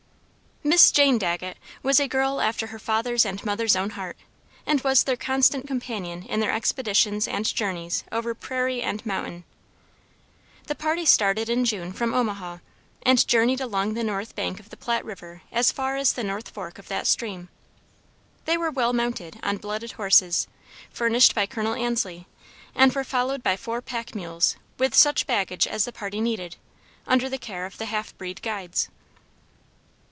Miss Jane Dagget was a girl after her father's and mother's own heart, and was their constant companion in their expeditions and journeys over prairie and mountain. The party started in June from Omaha, and journeyed along the north bank of the Platte river as far as the North Fork of that stream. They were well mounted on blooded horses, furnished by Col. Ansley, and were followed by four pack mules with such baggage as the party needed, under the care of the half breed guides.